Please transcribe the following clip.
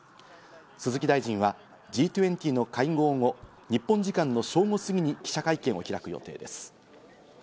鈴木大臣はＧ２０の会合後、日本時間の正午過ぎに記者会見を開く予定です。